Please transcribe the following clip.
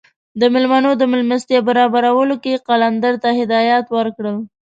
د میلمنو د میلمستیا برابرولو کې یې قلندر ته هدایات ورکړل.